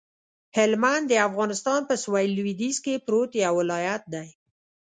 هلمند د افغانستان په سویل لویدیځ کې پروت یو ولایت دی